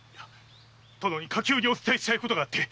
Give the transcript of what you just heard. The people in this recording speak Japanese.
殿に火急にお伝えしたいことがあって。